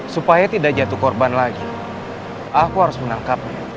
supaya tidak jatuh korban lagi aku harus menangkapnya